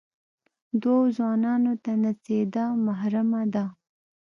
دوو ځوانان ته نڅېدا محرمه ده.